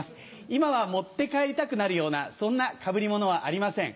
今は持って帰りたくなるようなそんなかぶりものはありません。